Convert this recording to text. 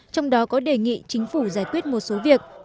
trong đó có đề nghị chính phủ giải quyết một số việc